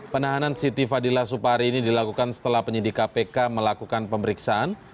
penahanan siti fadila supari ini dilakukan setelah penyidik kpk melakukan pemeriksaan